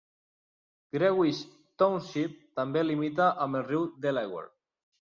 Greenwich Township també limita amb el riu Delaware.